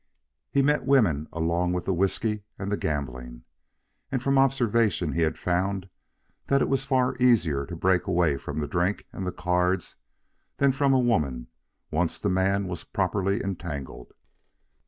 He met women along with the whiskey and gambling, and from observation he had found that it was far easier to break away from the drink and the cards than from a woman once the man was properly entangled.